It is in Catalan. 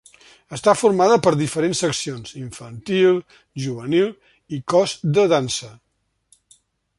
Està formada per diferents seccions: infantil, juvenil i cos de dansa.